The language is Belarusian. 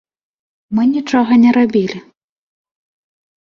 Мы нічога не рабілі.